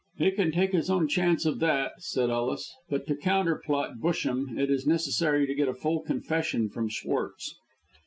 "He can take his own chance of that," said Ellis; "but to counter plot Busham, it is necessary to get a full confession from Schwartz."